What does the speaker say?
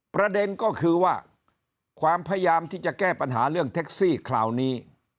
ประเด็นก็คือว่าความพยายามที่จะแก้ปัญหาเรื่องแท็กซี่คราวนี้